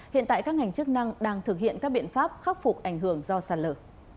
hiện tại các ngành chức năng đang thực hiện các biện pháp khắc phục ảnh hưởng do sạt lở